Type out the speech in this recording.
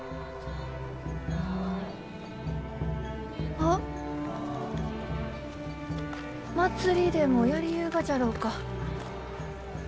・あっ祭りでもやりゆうがじゃろうか？